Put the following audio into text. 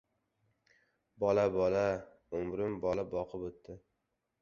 — Bola, bola! Umrim bola boqib o‘tdi!